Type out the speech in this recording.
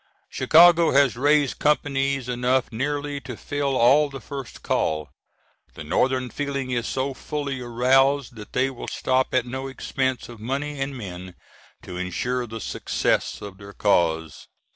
Chicago has raised companies enough nearly to fill all the first call. The Northern feeling is so fully aroused that they will stop at no expense of money and men to insure the success of their cause.